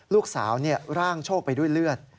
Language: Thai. ลูกสาวร่างโชคไปด้วยเลือด